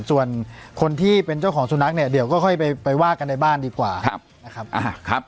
ส่วนคนที่เป็นเจ้าของสุนัขเนี่ยเดี๋ยวก็ค่อยไปว่ากันในบ้านดีกว่านะครับ